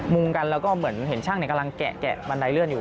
งงกันแล้วก็เหมือนเห็นช่างกำลังแกะบันไดเลื่อนอยู่